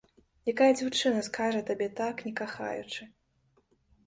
Якая дзяўчына скажа табе так, не кахаючы?